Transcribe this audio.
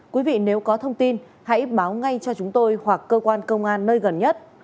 quý vị nếu có thông tin hãy báo ngay cho chúng tôi hoặc cơ quan công an nơi gần nhất